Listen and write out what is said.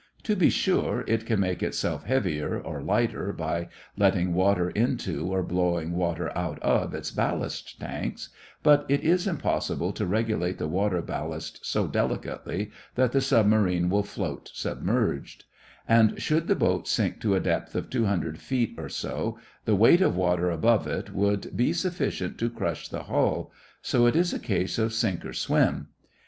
To be sure, it can make itself heavier or lighter by letting water into or blowing water out of its ballast tanks, but it is impossible to regulate the water ballast so delicately that the submarine will float submerged; and should the boat sink to a depth of two hundred feet or so, the weight of water above it would be sufficient to crush the hull, so it is a case of sink or swim.